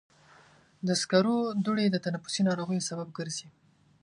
د سکرو دوړې د تنفسي ناروغیو سبب ګرځي.